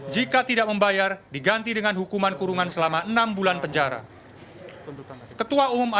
jika tidak membayar diganti dengan hukuman kurungan selama enam bulan penjara